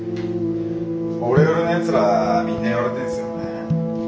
オレオレのやつらはみんな言われてんすよね。